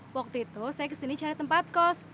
waktu itu saya kesini cari tempat kos